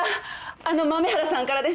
あの豆原さんからです！